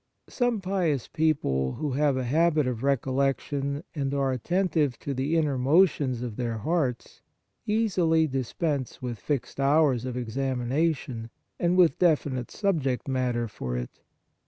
Some pious people, who have a habit of recollection and are atten tive to the inner motions of their hearts, easily dispense with fixed hours of self examination and with definite subject matter for it.